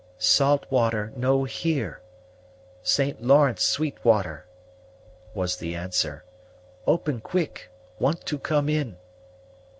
"Saltwater no here. St. Lawrence sweet water," was the answer. "Open quick; want to come in."